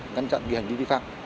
ngăn chặn cái hành vi vi phạm